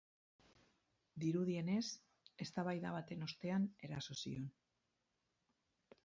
Dirudienez, eztabaida baten ostean eraso zion.